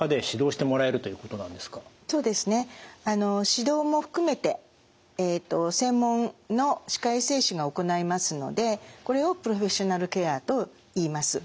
指導も含めて専門の歯科衛生士が行いますのでこれをプロフェッショナルケアといいます。